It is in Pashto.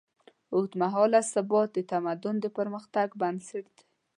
اوږدمهاله ثبات د تمدن د پرمختګ بنسټ دی.